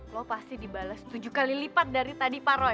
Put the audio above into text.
lo pasti dibalas tujuh kali lipat dari tadi pak roy